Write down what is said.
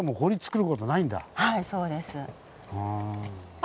はいそうです。